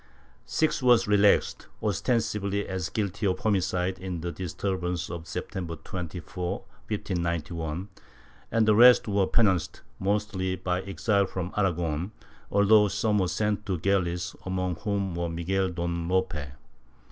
Six were relaxed, ostensibly as guilty of homicide in the disturb ances of September 24, 1591, and the rest were penanced, mostly by exile from Aragon, although some were sent to the galleys, among whom was Miguel Don Lope.